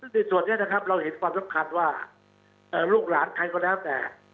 ในส่วนนี้นะครับเราเห็นความสำคัญว่าลูกหลานใครก็แล้วแต่